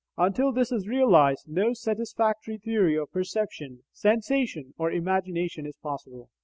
Until this is realized, no satisfactory theory of perception, sensation, or imagination is possible.